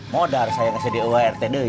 modar saya gak jadi uart deh